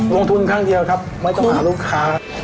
ลงทุนครั้งเดียวครับไม่ต้องหาลูกค้า